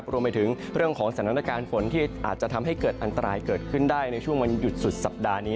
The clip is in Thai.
รวมไปถึงเรื่องของสถานการณ์ฝนที่อาจจะทำให้เกิดอันตรายเกิดขึ้นได้ในช่วงวันหยุดสุดสัปดาห์นี้